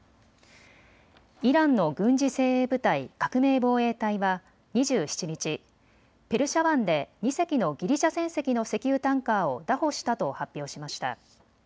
イランの軍事精鋭部隊革命防衛隊は２７日、ペルシャ湾で２隻のギリシャ船籍の石油タンカーを拿捕したと発表しました。